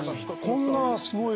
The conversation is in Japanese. こんな。